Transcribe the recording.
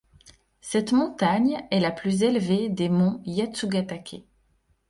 Cette montagne est la plus élevée des monts Yatsugatake.